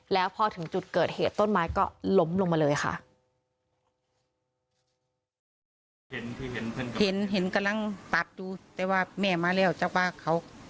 แล้วพอถึงจุดเกิดเหตุต้นไม้ก็ล้มลงมาเลยค่ะ